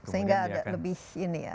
sehingga lebih ini ya